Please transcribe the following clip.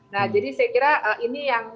nah jadi saya kira ini yang